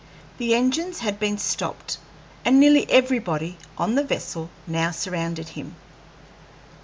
The engines had been stopped, and nearly everybody on the vessel now surrounded him.